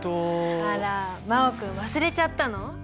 あら真旺君忘れちゃったの？